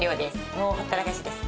もうほったらかしです。